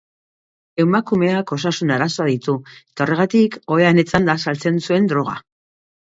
Emakumeak osasun arazoak ditu eta horregatik, ohean etzanda saltzen zuen droga.